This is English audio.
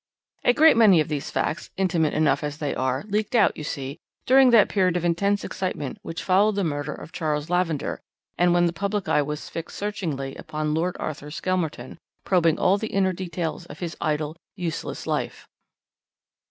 "A great many of these facts, intimate enough as they are, leaked out, you see, during that period of intense excitement which followed the murder of Charles Lavender, and when the public eye was fixed searchingly upon Lord Arthur Skelmerton, probing all the inner details of his idle, useless life.